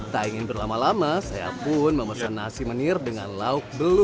tak ingin berlama lama saya pun memesan nasi menir dengan lauk belu